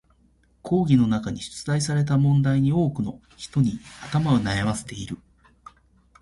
講義中に出題された問題に多くの人に頭を悩ませている。